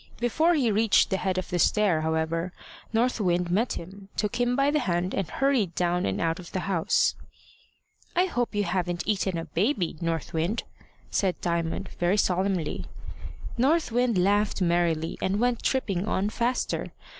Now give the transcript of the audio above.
Before he reached the head of the stair, however, North Wind met him, took him by the hand, and hurried down and out of the house. "I hope you haven't eaten a baby, North Wind!" said Diamond, very solemnly. North Wind laughed merrily, and went tripping on faster.